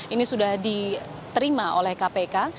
ini sudah diterima oleh kpk